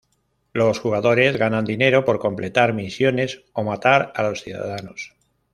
Los jugadores ganan dinero por completar misiones o matar a los ciudadanos.